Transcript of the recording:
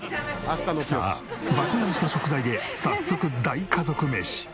さあ爆買いした食材で早速大家族メシ。